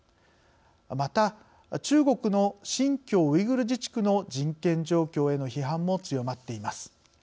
また中国の新疆ウイグル自治区の人権状況への批判も強まっています。